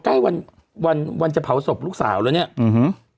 ใกล้วันวันจะเผาศพลูกสาวแล้วเนี้ยอืม